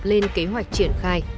lên kế hoạch triển khai